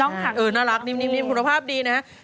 น้องถังนิ่มน่ารักคุณภาพดีนะฮะ